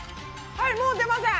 はいもう出ません！